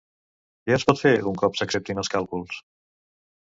Què es pot fer un cop s'acceptin els càlculs?